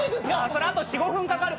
それあと４５分かかる。